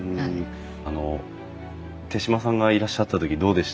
あの手島さんがいらっしゃった時どうでした？